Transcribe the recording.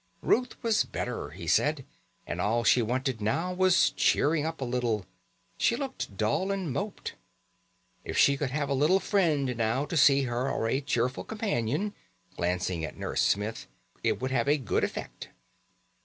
Ruth was better, he said, and all she wanted now was cheering up a little she looked dull and moped. "If she could have a little friend, now, to see her, or a cheerful companion," glancing at Nurse Smith, "it would have a good effect."